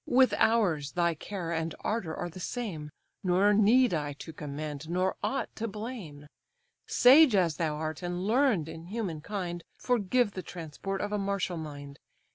With ours, thy care and ardour are the same, Nor need I to commend, nor aught to blame. Sage as thou art, and learn'd in human kind, Forgive the transport of a martial mind.